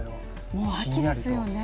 もう秋ですよね。